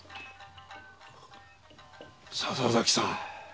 笹崎さん！